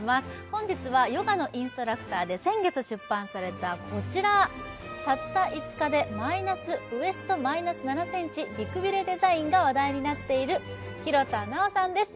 本日はヨガのインストラクターで先月出版されたこちら「たった５日でウエスト−７ｃｍ美くびれデザイン」が話題になっている廣田なおさんです